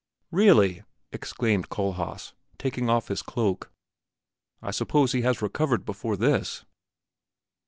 "Really!" exclaimed Kohlhaas, taking off his cloak. "I suppose he has recovered before this?"